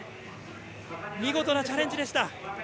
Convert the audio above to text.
見事なチャレンジでした。